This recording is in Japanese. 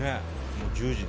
もう１０時で。